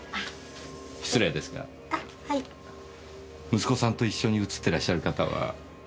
息子さんと一緒に写ってらっしゃる方は？